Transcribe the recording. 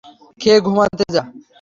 খেয়ে ঘুমোতে যা!